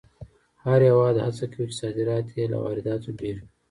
هر هېواد هڅه کوي چې صادرات یې له وارداتو ډېر وي.